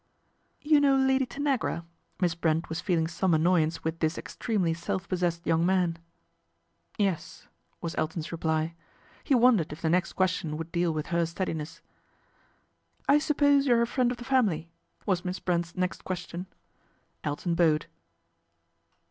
' You know Lady Tanagra ?" Miss Brent was ieeling some annoyance with this extremely self possessed young man. 1 Yes," was Elton's reply. He wondered if the next question would deal with her steadiness. I suppose you are a friend of the family ?" was Miss Brent's next question. Elton bowed.